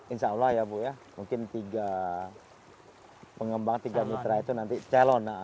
insya allah ya bu ya mungkin tiga pengembang tiga mitra itu nanti calon